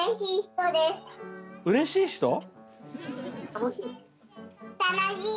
うれしい人？